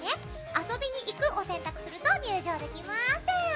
遊びに行くを選択すると入場できます！